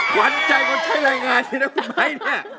หวันใจคนใช้รายงานที่นั่งไหมเนี่ย